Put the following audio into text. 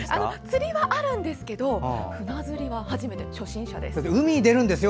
釣りはあるんですけど船釣りは初めての初心者です。